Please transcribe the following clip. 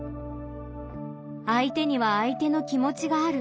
相手には相手の気持ちがある。